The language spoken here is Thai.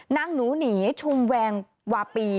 นางหนูหนีชุมแวงวาปี